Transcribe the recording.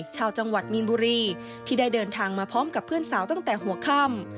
ชาวจังหวัดมีนบุรีที่ได้เดินทางมาพร้อมกับเพื่อนสาวตั้งแต่หัวค่ำ